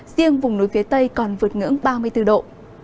riêng vùng núi phía tây còn vượt ngưỡng ba mươi bốn độ